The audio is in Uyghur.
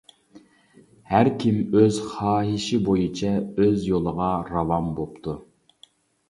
ھەر كىم ئۆز خاھىشى بويىچە ئۆز يولىغا راۋان بوپتۇ.